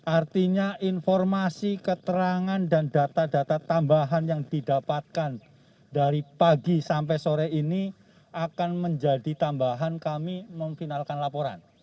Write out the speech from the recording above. artinya informasi keterangan dan data data tambahan yang didapatkan dari pagi sampai sore ini akan menjadi tambahan kami memfinalkan laporan